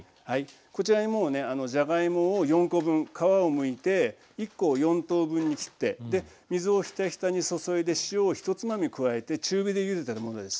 こちらにもうねじゃがいもを４コ分皮をむいて１コを４等分に切って水をヒタヒタに注いで塩を１つまみ加えて中火でゆでてるものです。